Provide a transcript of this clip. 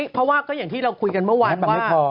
เพราะว่าก็อย่างที่เราคุยกันเมื่อวานว่า